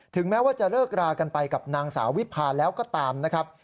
แม้ว่าจะเลิกรากันไปกับนางสาววิพาแล้วก็ตามนะครับ